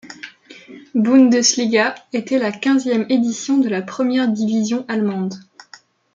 Bundesliga était la quinzième édition de la première division allemande.